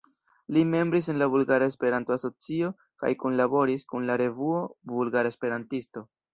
Li membris en la Bulgara Esperanto-Asocio kaj kunlaboris kun la revuo "Bulgara Esperantisto".